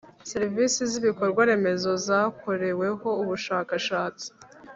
Serivisi z ibikorwaremezo zakoreweho ubushakashatsi